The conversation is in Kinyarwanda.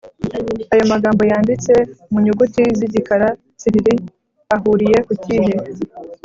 Aya magambo yanditse mu nyuguti z igikara tsiriri ahuriye ku kihe